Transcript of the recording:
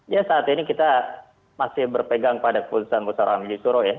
ya saat ini kita masih berpegang pada keputusan musawarah majelis surah ya